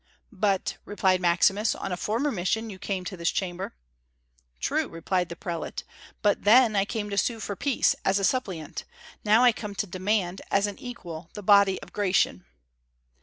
"But," replied Maximus, "on a former mission you came to this chamber." "True," replied the prelate, "but then I came to sue for peace, as a suppliant; now I come to demand, as an equal, the body of Gratian."